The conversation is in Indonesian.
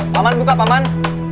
paman buka paman